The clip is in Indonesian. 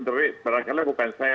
tapi barangkali bukan saya